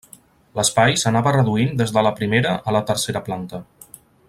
L'espai s'anava reduint des de la primera a la tercera planta.